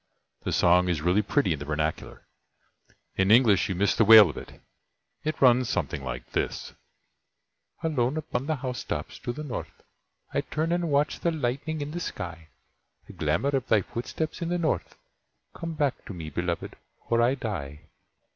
The song is really pretty in the Vernacular. In English you miss the wail of it. It runs something like this: Alone upon the housetops, to the North I turn and watch the lightning in the sky, The glamour of thy footsteps in the North, Come back to me, Beloved, or I die!